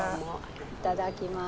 いただきます。